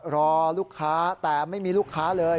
รอลูกค้าแต่ไม่มีลูกค้าเลย